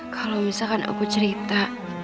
kalau misalkan aku cerita